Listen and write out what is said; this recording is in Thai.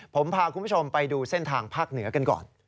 ผมพาคุณผู้ชมไปดูเส้นทางภาคเหนือกันก่อน